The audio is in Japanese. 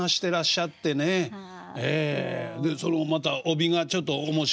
そのまた帯がちょっと面白いですね。